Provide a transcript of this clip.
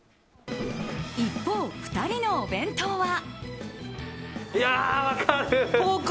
一方、２人のお弁当は。